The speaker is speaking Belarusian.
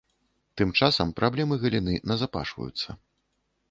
Тым часам праблемы галіны назапашваюцца.